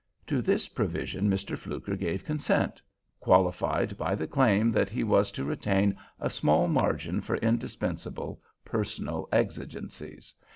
To this provision Mr. Fluker gave consent, qualified by the claim that he was to retain a small margin for indispensable personal exigencies.